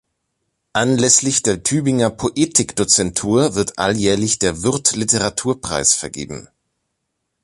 Anlässlich der Tübinger Poetikdozentur wird alljährlich der Würth-Literaturpreis vergeben.